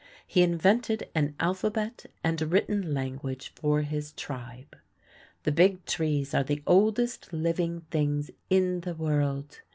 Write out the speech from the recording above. He invented an alphabet and written language for his tribe. The Big Trees are the oldest living things in the world.